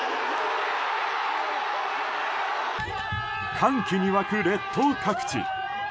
歓喜に沸く列島各地。